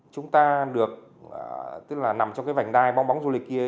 chúng ta được tức là nằm trong cái vành đai bong bóng du lịch kia